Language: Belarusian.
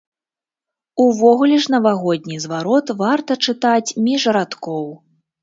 Увогуле ж навагодні зварот варта чытаць між радкоў.